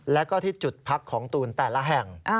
แล้วก็ที่จุดพักของตูนแต่ละแห่ง